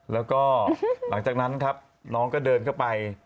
แล้วก็หลังจากนั้นครับน้องก็เดินเข้าไป